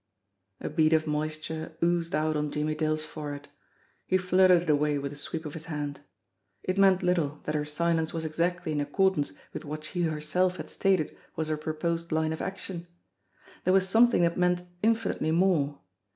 A bead of moisture oozed out on Jimmie Dale's forehead. He flirted it away with a sweep of his hand. It meant little that her silence was exactly in accordance with what she THE CALL OF THE NIGHT 223 herself had stated was her proposed line of action. There was something that meant infinitely more.